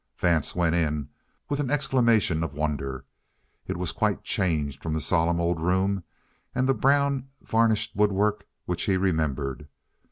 Vance went in with an exclamation of wonder. It was quite changed from the solemn old room and the brown, varnished woodwork which he remembered.